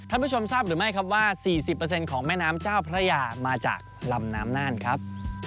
ผู้ชมทราบหรือไม่ครับว่า๔๐ของแม่น้ำเจ้าพระยามาจากลำน้ำน่านครับ